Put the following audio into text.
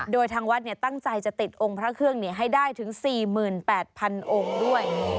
โดยทางวัดตั้งใจจะติดองค์พระเครื่องให้ได้ถึง๔๘๐๐๐องค์ด้วย